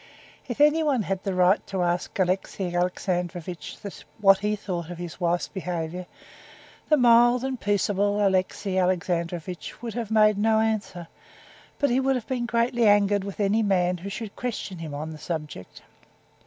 If anyone had had the right to ask Alexey Alexandrovitch what he thought of his wife's behavior, the mild and peaceable Alexey Alexandrovitch would have made no answer, but he would have been greatly angered with any man who should question him on that subject.